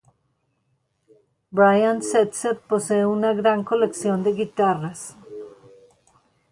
Brian Setzer posee una gran colección de guitarras.